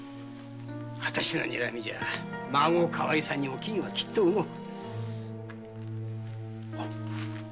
私のにらみじゃ孫かわいさにおきんは動く。